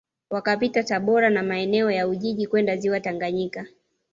Wakapita Tabora na maeneo ya Ujiji kwenda Ziwa Tanganyika